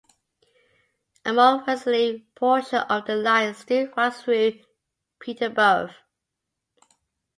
A more westerly portion of the line still runs through Peterborough.